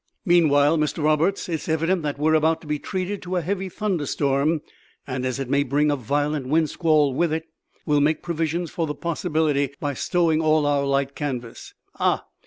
Meanwhile, Mr Roberts, it is evident that we are about to be treated to a heavy thunderstorm; and as it may bring a violent wind squall with it, we will make provision for the possibility by stowing all our light canvas. Ah!"